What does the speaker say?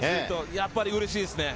やっぱり嬉しいですね。